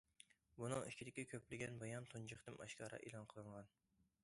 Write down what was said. بۇنىڭ ئىچىدىكى كۆپلىگەن بايان تۇنجى قېتىم ئاشكارا ئېلان قىلىنغان.